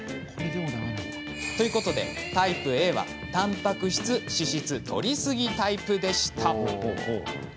ということでタイプＡは、たんぱく質、脂質とりすぎタイプでした。